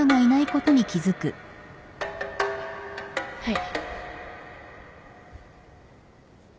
はい。